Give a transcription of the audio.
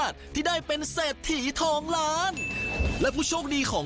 ถ้องร้าน